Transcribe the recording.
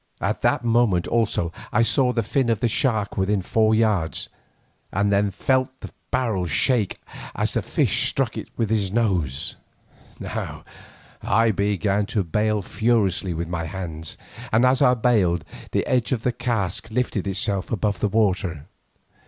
At that moment also I saw the fin of the shark within four yards, and then felt the barrel shake as the fish struck it with his nose. Now I began to bail furiously with my hands, and as I bailed, the edge of the cask lifted itself above the water.